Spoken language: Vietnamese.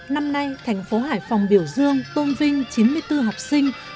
năm nay thành phố hải phòng biểu dương tôn vinh chín mươi bốn học sinh